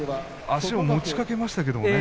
足を持ちかけましたけれどもね。